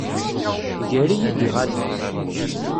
Ger-iyi-d iɣallen.